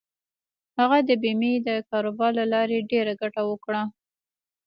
هغه د بېمې د کاروبار له لارې ډېره ګټه وکړه.